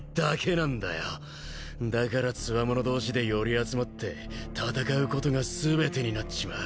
だからつわもの同士で寄り集まって戦うことが全てになっちまう。